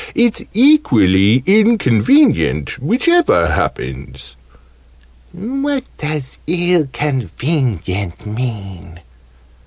It's equally inconvenient, whichever happens. "What does 'illconvenient' mean?"